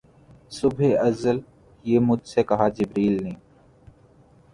صبح ازل یہ مجھ سے کہا جبرئیل نے